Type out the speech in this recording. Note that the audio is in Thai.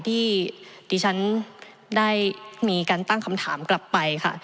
ที่ดิฉันได้มีการตั้งคำถามกลับไปค่ะ